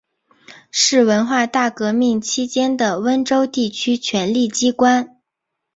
是文化大革命期间的温州地区权力机关。